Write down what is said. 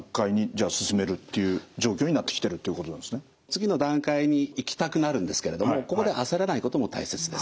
次の段階に行きたくなるんですけれどもここで焦らないことも大切です。